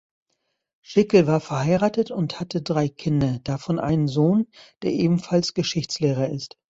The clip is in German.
Schickel war verheiratet und hatte drei Kinder, davon einen Sohn, der ebenfalls Geschichtslehrer ist.